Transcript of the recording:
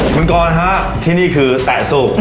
คุณกรฮะที่นี่คือแตะสูบ